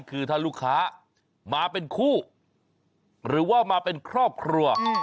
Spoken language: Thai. คือถ้าลูกค้ามาเป็นคู่หรือว่ามาเป็นครอบครัว